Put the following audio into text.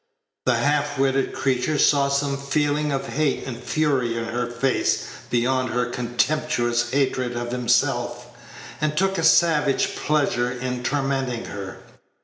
The half witted creature saw some feeling of hate and fury in her face beyond her contemptuous hatred of himself, and took a savage pleasure in tormenting her.